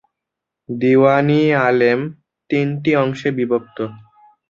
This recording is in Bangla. দিওয়ান-ই-আলম তিনটি অংশে বিভক্ত।